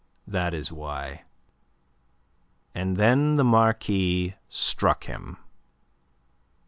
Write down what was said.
That is why." And then the Marquis struck him.